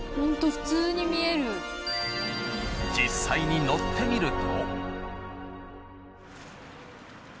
実際に乗ってみると。